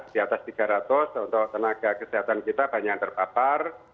di atas tiga ratus untuk tenaga kesehatan kita banyak yang terpapar